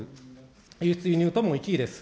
輸出、輸入とも１位です。